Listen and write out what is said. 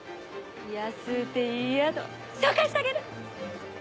安うていい宿紹介したげる！